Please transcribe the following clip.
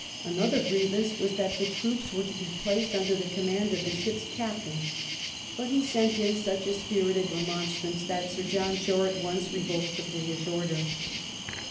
Another grievance was that the troops were to be placed under the command of the ship's captain, but he sent in such a spirited remonstrance WELLINGTON that Sir John Shore at once revoked the foolish order.